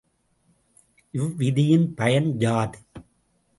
இவ்விதியின் பயன் யாது?